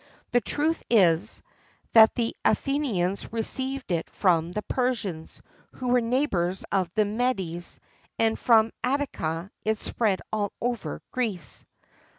The truth is, that the Athenians received it from the Persians, who were neighbours of the Medes, and from Attica it spread all over Greece.